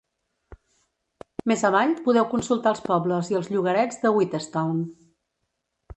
Més avall podeu consultar els pobles i els llogarets de Whitestown.